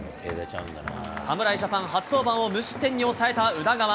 侍ジャパン初登板を無失点に抑えた宇田川。